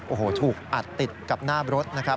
โอ้โหถูกอัดติดกับหน้ารถนะครับ